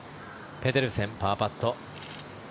ペデルセン、パーパット。